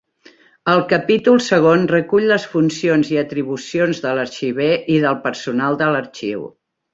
El capítol segon recull les funcions i atribucions de l'arxiver i del personal de l'Arxiu.